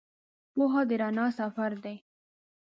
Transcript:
پوهه د رڼا سفر دی.